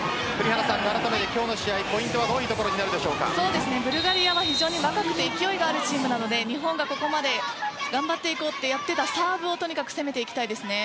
あらためて今日の試合ポイントはどういうところにブルガリアは非常に若くて勢いがあるチームなので日本がここまで頑張っていこうとやっていたサーブをとにかく攻めていきたいですね。